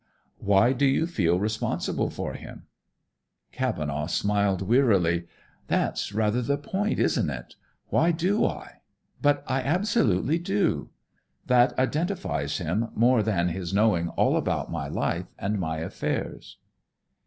Why do you feel responsible for him?" Cavenaugh smiled wearily. "That's rather the point, isn't it? Why do I? But I absolutely do. That identifies him, more than his knowing all about my life and my affairs."